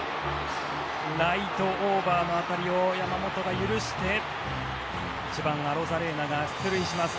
ライトオーバーの当たりを山本が許して１番、アロザレーナが出塁します。